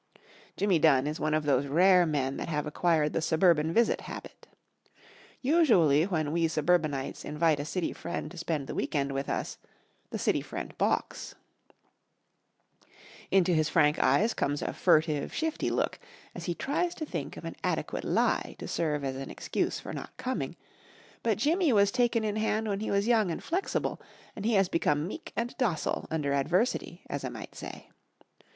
Jimmy Dunn is one of those rare men that have acquired the suburban visit habit. Usually when we suburbanites invite a city friend to spend the week end with us, the city friend balks. Into his frank eyes comes a furtive, shifty look as he tries to think of an adequate lie to serve as an excuse for not coming, but Jimmy was taken in hand when he was young and flexible, and he has become meek and docile under adversity, as I might say.